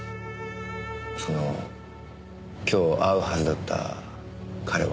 その今日会うはずだった彼は。